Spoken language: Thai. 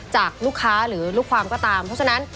จากลูกค้าหรือลูกความก็ตามเพราะฉะนั้น